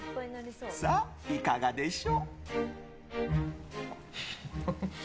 さあ、いかがでしょう。